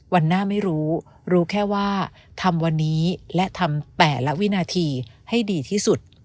วันหน้าไม่รู้รู้รู้แค่ว่าทำวันนี้และทำแต่ละวินาทีให้ดีที่สุด